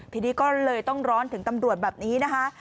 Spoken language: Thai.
ทีนี้ก็เลยต้องร้อนถึงตำรวจแบบนี้นะคะ